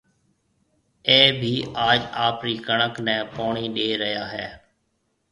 اَي ڀِي آج آپرِي ڪڻڪ نَي پوڻِي ڏيَ ريا هيَ۔